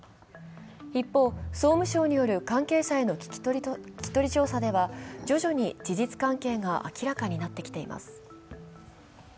一方、総務省による関係者への聞き取り調査では徐々に事実関係が明らかになってきています。